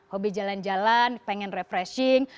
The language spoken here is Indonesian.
hobi jalan jalan pengen refreshing